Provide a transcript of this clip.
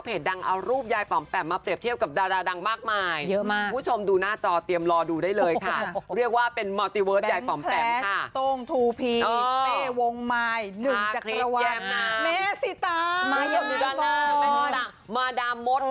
เพ่วงหมาย๑จะเกาะวัน